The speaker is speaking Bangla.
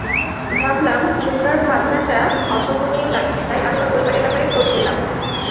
ভাবলাম ইউতার ভাবনাটা অভাবনীয় লাগছে, তাই আমি ওর পরিবারের ব্যাপারে খোঁজ নিলাম।